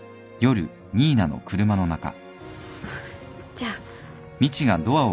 じゃあ。